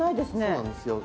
そうなんですよ。